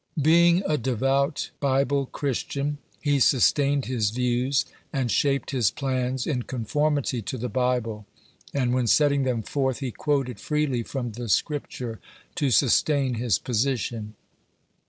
Being a devout Bible Christian, he sustained his views and shaped his plans in conformity to the Bible; and when setting them forth, he quoted freely from the Scripture to sustain his position.